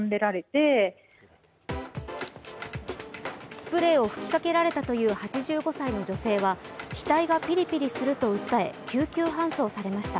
スプレーを吹きかけられたという８５歳の女性は額がピリピリすると訴え救急搬送されました。